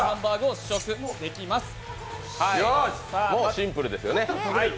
シンプルですよね。